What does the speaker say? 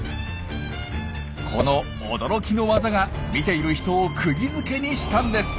この驚きの技が見ている人をくぎづけにしたんです。